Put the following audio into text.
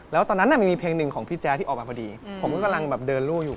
แล้วตอนนั้นมันมีเพลงหนึ่งของพี่แจ๊ที่ออกมาพอดีผมก็กำลังแบบเดินรูอยู่